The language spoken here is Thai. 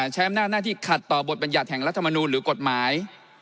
ใช้อำนาจหน้าที่ขัดต่อบทบรรยัติแห่งรัฐมนูลหรือกฎหมาย